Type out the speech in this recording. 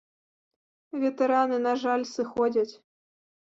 Ветэраны, на жаль, сыходзяць.